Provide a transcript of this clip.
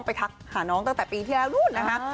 ทักหาน้องตั้งแต่ปีที่แล้วนู่นนะคะ